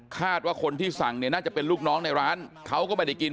คาดว่าคนที่สั่งเนี่ยน่าจะเป็นลูกน้องในร้านเขาก็ไม่ได้กิน